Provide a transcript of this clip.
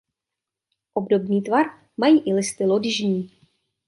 Obdobný tvar mají i listy lodyžní.